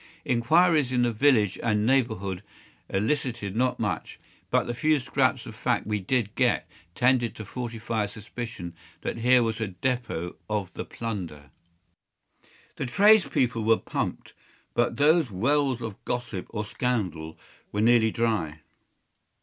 Inquiries in the village and neighbourhood elicited not much; but the few scraps of fact that we did get tended to fortify a suspicion that here was a depôt of the plunder. The tradespeople were pumped, but those wells of gossip or scandal were nearly dry.